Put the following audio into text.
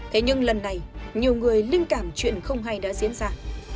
thế nhưng lần này nhiều người linh cảm chuyện không hay đã diễn ra